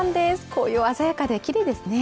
紅葉、鮮やかできれいですね。